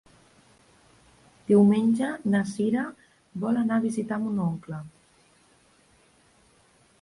Diumenge na Cira vol anar a visitar mon oncle.